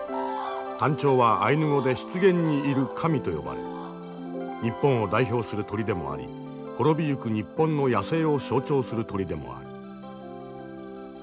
タンチョウはアイヌ語で「湿原にいる神」と呼ばれ日本を代表する鳥でもあり滅びゆく日本の野生を象徴する鳥でもある。